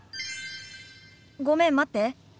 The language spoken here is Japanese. ごめん待って。